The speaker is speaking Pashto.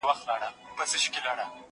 هغه وويل چي چايي څښل ګټور دي!